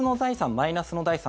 マイナスの財産